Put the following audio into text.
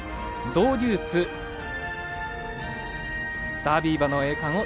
ドウデュースダービー馬の栄冠を